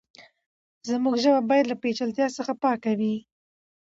زموږ ژبه بايد له پېچلتيا څخه پاکه وي.